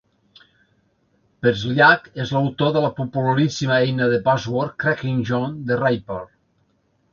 Peslyak és l'autor de la popularíssima eina de password cracking John the Ripper.